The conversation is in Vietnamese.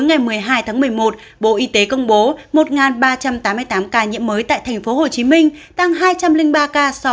ngày một mươi hai tháng một mươi một bộ y tế công bố một ba trăm tám mươi tám ca nhiễm mới tại thành phố hồ chí minh tăng hai trăm linh ba ca so